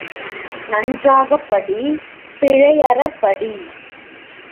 நன்றாகப் படி பிழையறப் படி!